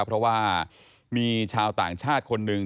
เพราะว่ามีชาวต่างชาติคนหนึ่ง